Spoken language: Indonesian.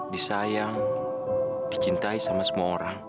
disayang dicintai sama semua orang